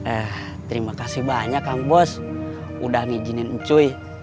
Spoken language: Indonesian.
eh terima kasih banyak kang bos udah ngijinin cuy